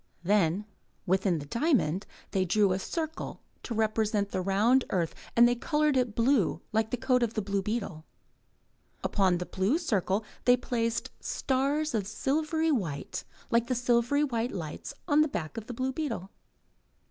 Then, within the diamond, they drew a circle to represent the round earth and they coloured it blue like the coat of the blue beetle. Upon the blue circle they placed stars of silvery white like the silvery white lights on the back of the blue beetle.